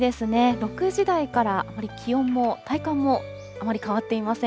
６時台から、あまり気温も体感もあまり変わっていません。